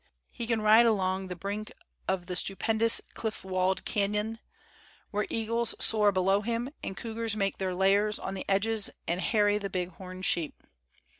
He can ride along the brink of the stu pendous cliff walled canyon, where eagles soar below him, and cougars make their lairs on the edges and harry the big horned sheep.